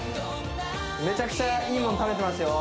めちゃくちゃいいもん食べてますよ